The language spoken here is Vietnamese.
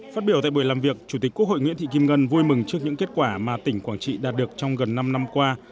phát biểu tại buổi làm việc chủ tịch quốc hội nguyễn thị kim ngân vui mừng trước những kết quả mà tỉnh quảng trị đạt được trong gần năm năm qua